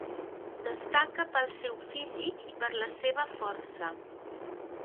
Destaca pel seu físic i per la seva força.